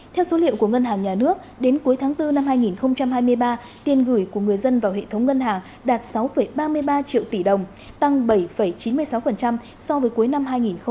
theo số liệu của ngân hàng nhà nước đến cuối tháng bốn năm hai nghìn hai mươi ba tiền gửi của người dân vào hệ thống ngân hàng đạt sáu ba mươi ba triệu tỷ đồng tăng bảy chín mươi sáu so với cuối năm hai nghìn hai mươi hai